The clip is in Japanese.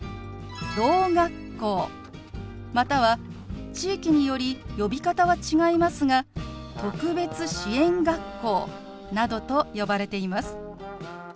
ろう学校または地域により呼び方は違いますが特別支援学校などと呼ばれています。